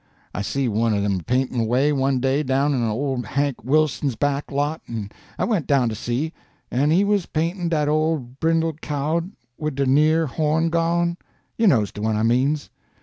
I see one of 'em a paintin' away, one day, down in ole Hank Wilson's back lot, en I went down to see, en he was paintin' dat old brindle cow wid de near horn gone—you knows de one I means.